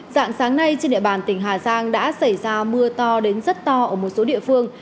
dạng sáng nay trên địa bàn tỉnh hà giang đã xảy ra mưa to đến rất to ở một số địa phương